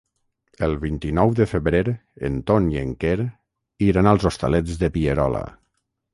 El vint-i-nou de febrer en Ton i en Quer iran als Hostalets de Pierola.